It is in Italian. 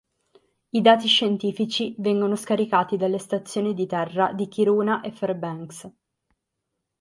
I dati scientifici vengono scaricati dalle stazioni di terra di Kiruna e Fairbanks.